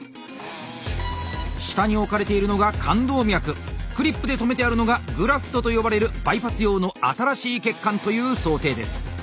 下に置かれているのが冠動脈クリップで止めてあるのがグラフトと呼ばれるバイパス用の新しい血管という想定です。